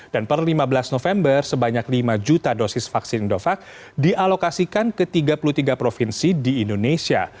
dan per lima belas november sebanyak lima juta dosis vaksin indovac dialokasikan ke tiga puluh tiga provinsi di indonesia